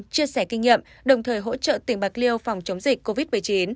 chia sẻ kinh nghiệm đồng thời hỗ trợ tỉnh bạc liêu phòng chống dịch covid một mươi chín